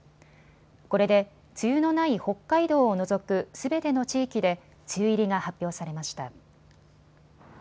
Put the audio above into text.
これで梅雨のない北海道を除くすべての地域で梅雨入りが発表されました。